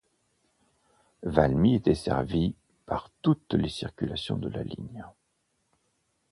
Valmy est desservie par toutes les circulations de la ligne.